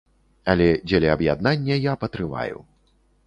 Але дзеля аб'яднання я патрываю.